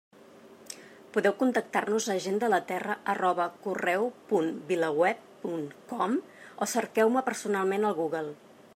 Podeu contactar-nos a gentdelaterra@correu.vilaweb.com o cerqueu-me personalment a Google.